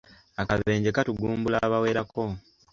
Akabenje katugumbula abawerako.